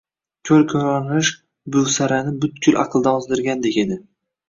Ko`r-ko`rona rashk Buvsarani butkul aqdan ozdirgandek edi